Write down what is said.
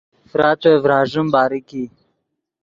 فراتے ڤراݱین باریک ای